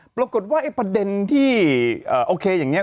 ปรากฏว่าไอ้ประเด็นที่โอเคอย่างนี้